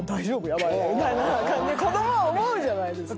ヤバいみたいな子供は思うじゃないですか。